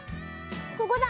ここだ。